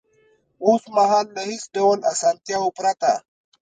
اوس مهال له هېڅ ډول اسانتیاوو پرته